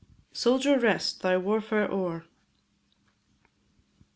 SOLDIER, REST! THY WARFARE O'ER.